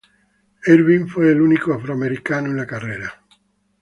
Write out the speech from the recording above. Irvin fue el único afroamericano en la carrera.